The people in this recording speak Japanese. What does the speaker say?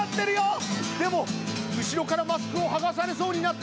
でも後ろからマスクを剥がされそうになってる。